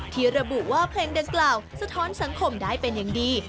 ที่ระบุว่าเพลงดังกล่าวสะท้อนสังคมได้เป็นอย่างดี